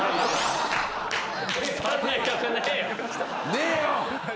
ねえよ！